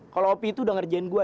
kalo opi itu udah ngerjain gua